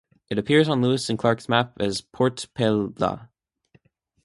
It appears on Lewis and Clark's maps as "Port-pel-lah".